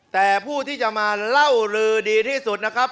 แต่ผู้ที่จะมาเล่าลือดีที่สุดนะครับ